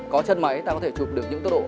có chân máy ta có thể chụp được những tốc độ